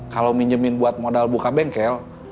kalau minjemin buat modal buka bengkel